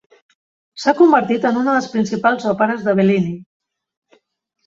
S'ha convertit en una de les principals òperes de Bellini.